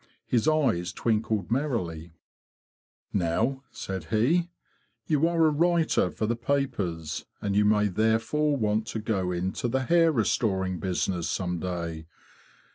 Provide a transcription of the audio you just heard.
His eyes twinkled merrily. "Now," said he, '' you are a writer for the papers, and you may therefore want to go into the hair restoring business some day.